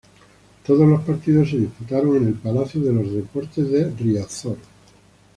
Todos los partidos se disputaron en el Palacio de los Deportes de Riazor.